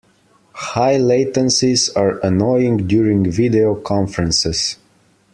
High latencies are annoying during video conferences.